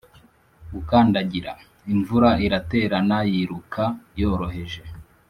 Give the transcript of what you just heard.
gukandagira. imvura iraterana, yiruka yoroheje